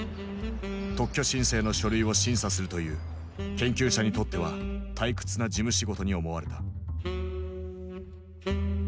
特許申請の書類を審査するという研究者にとっては退屈な事務仕事に思われた。